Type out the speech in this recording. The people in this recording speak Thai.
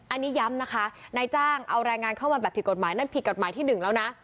อันนี้ย้ำนะคะนายจ้างเอาแรงงานเข้ามาแบบผิดกฎหมายนั่นผิดกฎหมายที่หนึ่งแล้วนะ